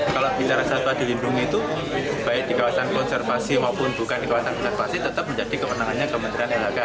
kalau bicara satwa dilindungi itu baik di kawasan konservasi maupun bukan di kawasan konservasi tetap menjadi kewenangannya kementerian lhk